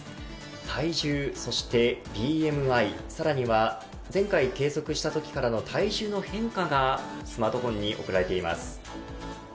体重そしてＢＭＩさらには前回計測したときからの体重の変化がスマートフォンに送られています。